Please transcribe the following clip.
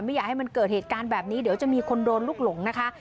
ไม่อยากให้มันเกิดเหตุการณ์แบบนี้เดี๋ยวจะมีคนโดนลูกหลงนะคะ